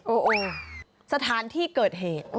โอ้โหสถานที่เกิดเหตุ